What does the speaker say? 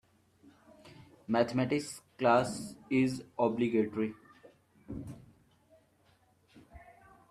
Mathematics class is obligatory.